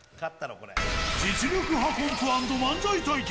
実力派コント＆漫才対決。